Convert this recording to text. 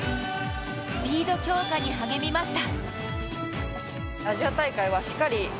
スピード強化に励みました。